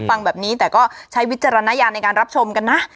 ฟังแบบนี้แต่ก็ใช้วิจารณญาณในการรับชมกันนะ